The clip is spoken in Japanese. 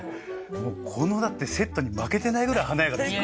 もうこのだってセットに負けてないぐらい華やかですよ。